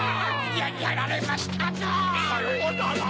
やられましたぞ！